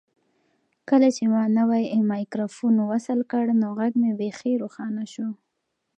کله چې ما نوی مایکروفون وصل کړ نو غږ مې بیخي روښانه شو.